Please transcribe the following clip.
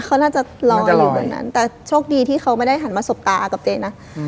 เขาน่าจะรออยู่แบบนั้นแต่โชคดีที่เขาไม่ได้หันมาสบตากับเจ๊นะ